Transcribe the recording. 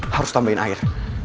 harus tambahin air